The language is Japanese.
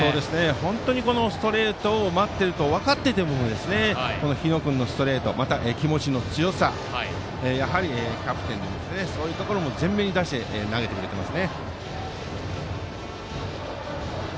本当にこのストレートを待っていると分かっていても日野君のストレートまた気持ちの強さやはりキャプテンでそういうところも前面に出して投げてくれています。